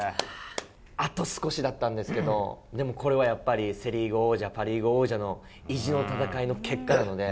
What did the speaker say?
あと少しだったんですけど、でもこれはやっぱり、セ・リーグ王者、パ・リーグ王者の意地の戦いの結果なので。